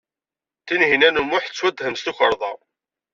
Tinhinan u Muḥ tettwatthem s tukerḍa.